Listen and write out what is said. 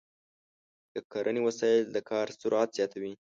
د کرنې وسایل د کار سرعت زیاتوي.